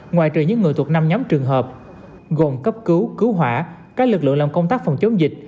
ngoài trừ những người thuộc năm nhóm trường hợp gồm cấp cứu cứu hỏa các lực lượng làm công tác phòng chống dịch